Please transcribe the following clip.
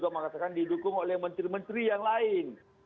mengatakan didukung oleh menteri menteri yang lain